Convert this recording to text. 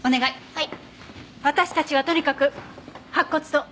はい。